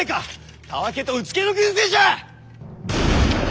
たわけとうつけの軍勢じゃ！